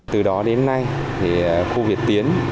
từ đó đến nay thì khu việt tiến